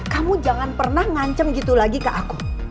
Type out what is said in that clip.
kamu jangan pernah ngancem gitu lagi ke aku